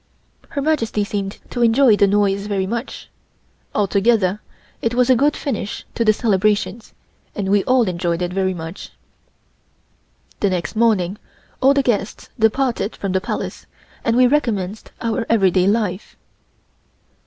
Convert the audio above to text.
Her Majesty seemed to enjoy the noise very much. Altogether it was a good finish to the celebrations and we all enjoyed it very much. The next morning all the guests departed from the Palace and we re commenced our everyday life.